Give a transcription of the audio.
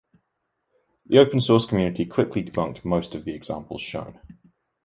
The open source community quickly debunked most of the examples shown.